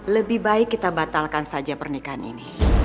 lebih baik kita batalkan saja pernikahan ini